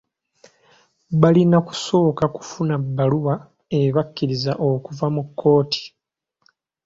Balina kusooka kufuna bbaluwa ebakkiriza okuva mu kkooti.